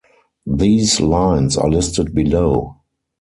These lines are listed below.